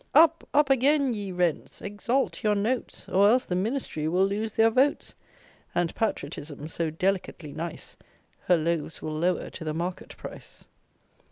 Up, up again, ye rents! exalt your notes, Or else the Ministry will lose their votes, And patriotism, so delicately nice, Her loaves will lower to the market price.